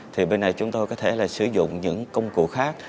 thì bên này chúng tôi có thể là sử dụng những công cụ khác